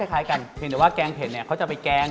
เพียงแต่ว่าแกงได้เขาจะไปแกง